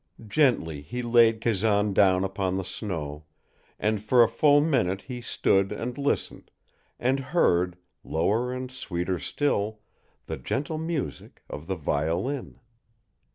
Gently he laid Kazan down upon the snow, and for a full minute he stood and listened, and heard, lower and sweeter still, the gentle music, of the violin.